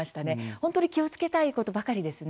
本当に気をつけたいことばかりですね。